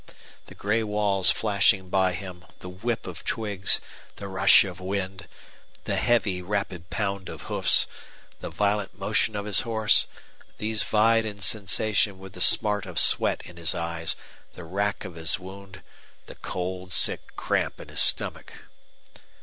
The gray walls flashing by him, the whip of twigs, the rush of wind, the heavy, rapid pound of hoofs, the violent motion of his horse these vied in sensation with the smart of sweat in his eyes, the rack of his wound, the cold, sick cramp in his stomach.